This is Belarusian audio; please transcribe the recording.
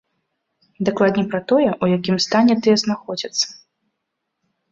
Дакладней, пра тое, у якім стане тыя знаходзяцца.